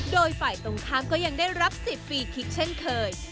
โดยฝ่ายตรงข้ามก็ยังได้รับสิทธิ์ฟรีคลิกเช่นเคย